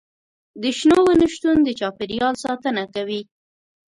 د شنو ونو شتون د چاپیریال ساتنه کوي.